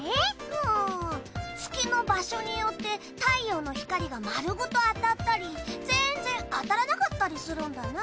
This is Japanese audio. うん月の場所によって太陽の光が丸ごと当たったりぜんぜん当たらなかったりするんだな。